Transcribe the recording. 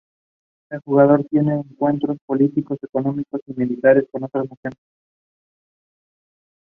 The deity accepted his request and sent them to Thiruvarur through his ganas.